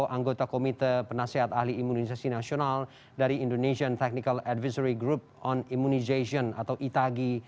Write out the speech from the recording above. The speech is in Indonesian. anggota komite penasehat ahli imunisasi nasional dari indonesian technical advisory group on immunization atau itagi